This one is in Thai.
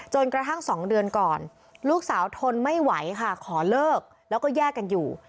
กระทั่ง๒เดือนก่อนลูกสาวทนไม่ไหวค่ะขอเลิกแล้วก็แยกกันอยู่